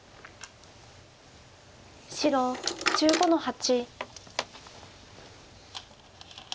白１５の八。